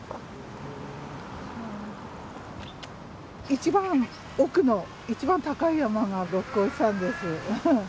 一番奥の一番高い山が六角牛山です。